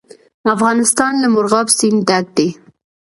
افغانستان له مورغاب سیند ډک دی.